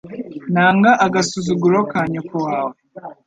nanga agasuzuguro ka nyoko wawe